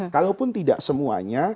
kalaupun tidak semuanya